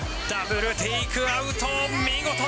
ダブルテイクアウト。